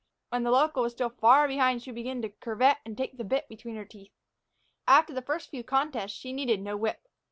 When the local was still far behind she would begin to curvet and take the bit between her teeth. After the first few contests, she needed no whip.